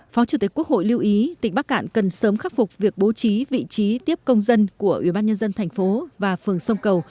phó chủ tịch quốc hội lưu ý tỉnh bắc cạn cần sớm khắc phục việc bố trí vị trí tiếp công dân của ủy ban nhân dân thành phố và phường sông cầu